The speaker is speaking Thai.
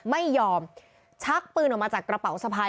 ไม่ยอมชักปืนออกมาจากกระเป๋าสะพาย